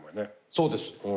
そうです。